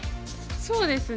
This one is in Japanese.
そうですね。